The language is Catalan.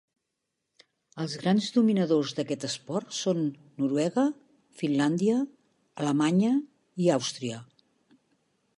Els grans dominadors d'aquest esport són Noruega, Finlàndia, Alemanya i Àustria.